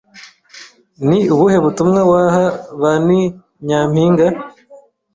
Ni ubuhe butumwa waha ba Ni Nyampinga